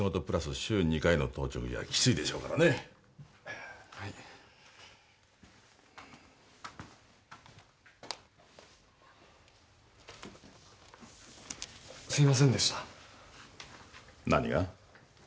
週二回の当直じゃキツイでしょうからねはいすみませんでした何が？